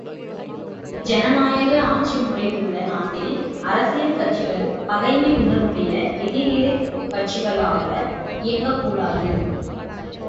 ஜனநாயக ஆட்சிமுறை உள்ள நாட்டில் அரசியல் கட்சிகள் பகைமை உணர்வுடைய எதிர் எதிர் கட்சிகளாக இயங்கக்கூடாது!